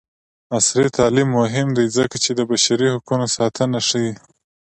عصري تعلیم مهم دی ځکه چې د بشري حقونو ساتنه ښيي.